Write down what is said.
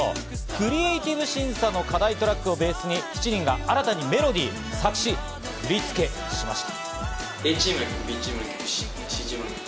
クリエイティブ審査の課題トラックをベースに、７人が新たにメロディー、歌詞、振り付けをしました。